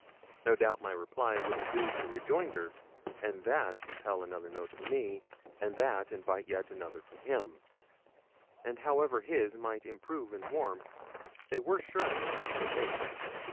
No doubt my reply would induce a rejoinder, and that compel another note from me, and that invite yet another from him; and however his might improve in warmth, they were sure not to abate.